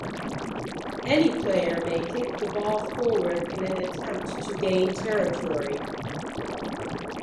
Any player may kick the ball forward in an attempt to gain territory.